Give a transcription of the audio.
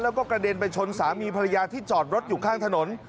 แล้วก็กระเด็นไปชนสามีภรรยาที่จอดรถอยู่ข้างถนน